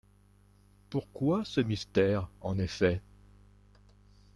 Pourquoi ce mystère, en effet ?